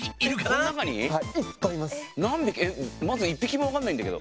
えっまず一匹もわかんないんだけど。